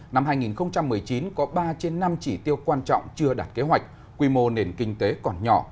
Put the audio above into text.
năm hai nghìn một mươi chín có ba trên năm chỉ tiêu quan trọng chưa đạt kế hoạch quy mô nền kinh tế còn nhỏ